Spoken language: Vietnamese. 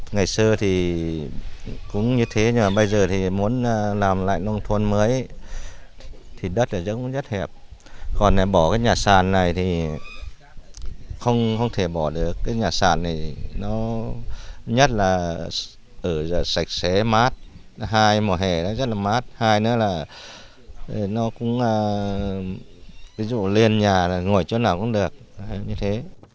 nó cũng là ví dụ liên nhà ngồi chỗ nào cũng được như thế